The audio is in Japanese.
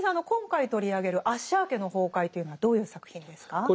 今回取り上げる「アッシャー家の崩壊」というのはどういう作品ですか？